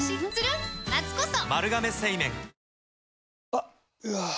あっ、うわー。